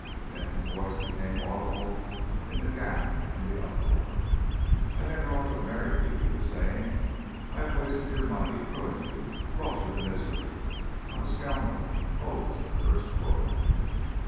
Denton's voice became audible in a gap in the uproar. "I never ought to have married you," he was saying. "I have wasted your money, ruined you, brought you to misery. I am a scoundrel.... Oh, this accursed world!"